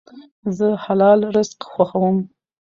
زه حلال رزق خوښوم.